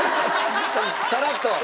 サラッと。